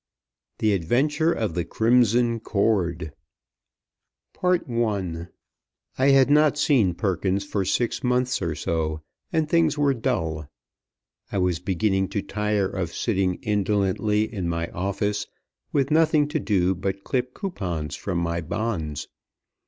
THE ADVENTURE OF THE CRIMSON CORD I I HAD not seen Perkins for six months or so, and things were dull. I was beginning to tire of sitting indolently in my office, with nothing to do but clip coupons from my bonds.